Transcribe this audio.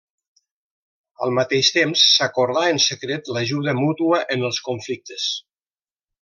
Al mateix temps s'acordà en secret l'ajuda mútua en els conflictes.